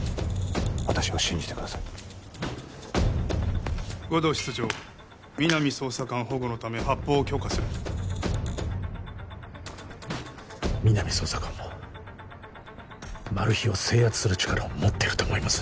私を信じてください護道室長皆実捜査官保護のため発砲を許可する皆実捜査官もマル被を制圧する力を持ってると思います